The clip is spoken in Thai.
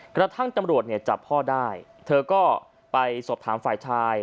กระทั่งตำรวจเนี่ยจับพ่อได้เธอก็ไปสอบถามฝ่ายชาย